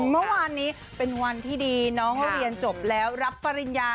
เมื่อวานนี้เป็นวันที่ดีน้องเรียนจบแล้วรับปริญญา